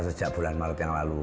sejak bulan maret yang lalu